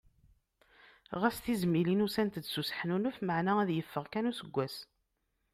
Ɣas tizmilin ussant-d s useḥnunef maɛna ad yeffeɣ kan useggas.